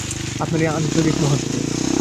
আপনারই আন্তরিক মাহাত্ম্যে।